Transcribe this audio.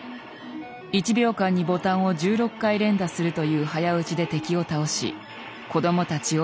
１秒間にボタンを１６回連打するという早打ちで敵を倒し子供たちを魅了。